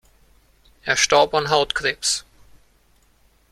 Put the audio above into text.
Er starb an Hautkrebs.